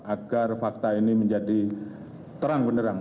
agar fakta ini menjadi terang benderang